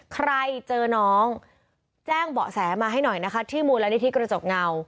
ใครเจอน้องแจ้งเบาะแสมาให้หน่อยนะคะที่มูลนิธิกระจกเงา